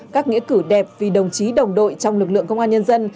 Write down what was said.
các nghĩa cử đẹp vì đồng chí đồng đội trong lực lượng công an nhân dân